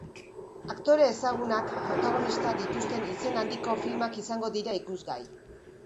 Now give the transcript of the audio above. Aktore ezagunak protagonista dituzten izen handiko filmak izango dira ikusgai.